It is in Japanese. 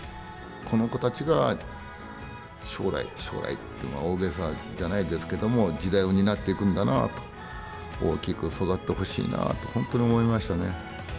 この子たちが将来将来って大げさじゃないですけども時代を担っていくんだなあと大きく育ってほしいなあと本当に思いましたね。